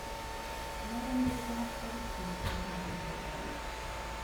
Mi ara nwali acḥal i yettmettaten deg yiberdan.